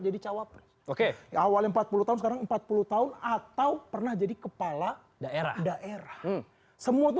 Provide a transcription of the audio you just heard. jadi cawapres oke awal empat puluh tahun empat puluh tahun atau pernah jadi kepala daerah daerah semuanya